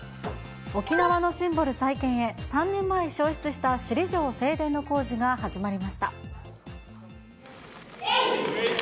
沖縄のシンボル再建へ、３年前、焼失した首里城正殿の工事が始まりました。